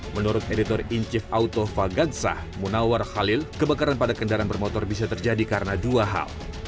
menurut editor inciv autofagansah munawar khalil kebakaran pada kendaraan bermotor bisa terjadi karena dua hal